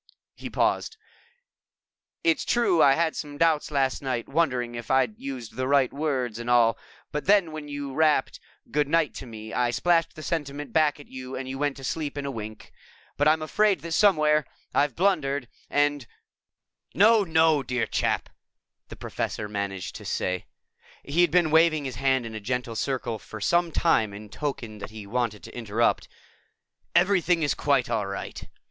He paused. "It's true I had some doubts last night, wondering if I'd used the right words and all, but then when you rapped 'Good night' to me, I splashed the sentiment back at you and went to sleep in a wink. But I'm afraid that somewhere I've blundered and " "No, no, dear chap," the Professor managed to say. He had been waving his hand in a gentle circle for some time in token that he wanted to interrupt. "Everything is quite all right.